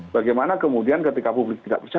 bagaimana kemudian ketika publik tidak bisa